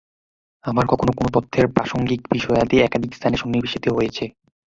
আবার কখনো কোন তথ্যের প্রাসংগিক বিষয়াদি একাধিক স্থানে সন্নিবেশিত হয়েছে।